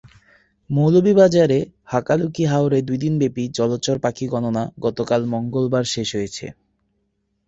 মৌলভীবাজারের হাকালুকি হাওরে দুই দিনব্যাপী জলচর পাখি গণনা গতকাল মঙ্গলবার শেষ হয়েছে।